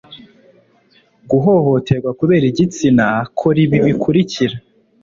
guhohoterwa kubera igitsina kora ibi bikurikira